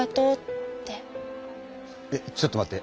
えちょっと待って。